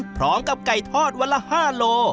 พร้อมกับไก่ทอดวันละ๕โล